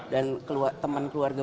dan teman keluarga